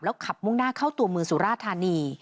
ขับมุ่งหน้าเข้าตัวเมืองสุราธานี